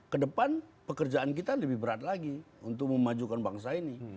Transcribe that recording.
kedepan pekerjaan kita lebih berat lagi untuk memajukan bangsa ini